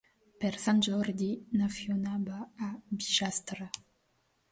Per Sant Jordi na Fiona va a Bigastre.